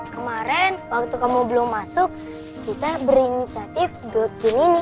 kemarin waktu kamu belum masuk kita berinisiatif good gini